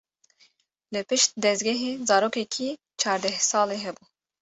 Li pişt dezgehê zarokekî çardeh salî hebû.